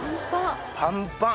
パンパン。